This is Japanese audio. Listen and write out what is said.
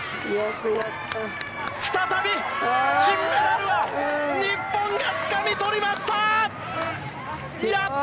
再び金メダルは、日本がつかみ取りました！